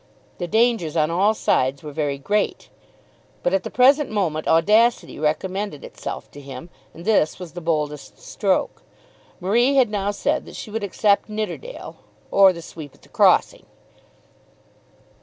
The dangers on all sides were very great! But at the present moment audacity recommended itself to him, and this was the boldest stroke. Marie had now said that she would accept Nidderdale, or the sweep at the crossing.